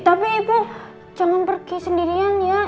tapi ibu jangan pergi sendirian ya